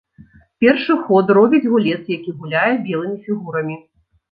Першы ход робіць гулец, які гуляе белымі фігурамі.